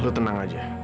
lo tenang aja